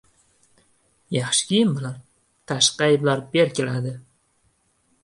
• Yaxshi kiyim bilan tashqi ayblar berkiladi.